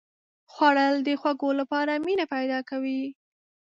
خوړل د خوږو لپاره مینه پیدا کوي